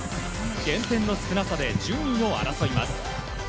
減点の少なさで順位を争います。